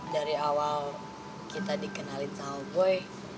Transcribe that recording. dari awal kita dikenalin sama boy